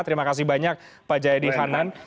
terima kasih banyak pak jayadi hanan